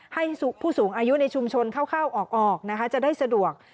ให้ผู้สูงอายุในชุมชนเข้าออกนะคะจะได้สะดวก